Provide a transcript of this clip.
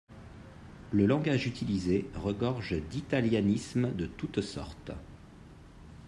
Le langage utilisé regorge d'italianismes de toute sorte.